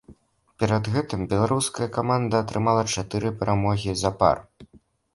Перад гэтым беларуская каманда атрымала чатыры перамогі запар.